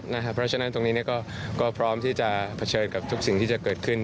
เพราะฉะนั้นตรงนี้ก็พร้อมที่จะเผชิญกับทุกสิ่งที่จะเกิดขึ้น